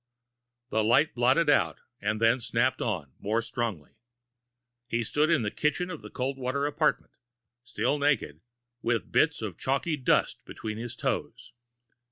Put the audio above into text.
_ The light blotted out, and then snapped on, more strongly. He stood in the kitchen of the cold water apartment, still naked, with bits of chalky dust between his toes.